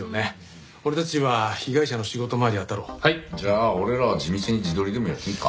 じゃあ俺らは地道に地取りでもやってみっか。